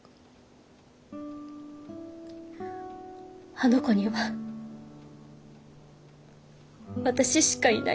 あの子には私しかいないんです。